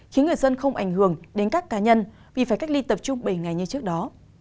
khiến người dân không ảnh hưởng đến các cá nhân vì phải cách ly tập trung bảy ngày như trước đó